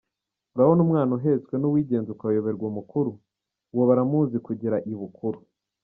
Urabona umwana uhetswe n’ uwigenza ukayoberwa umukuru? Uwo baramuzi kugera ibukuru.